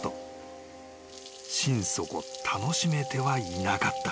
［心底楽しめてはいなかった］